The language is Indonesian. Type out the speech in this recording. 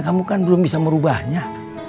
kamu kan belum bisa merubahnya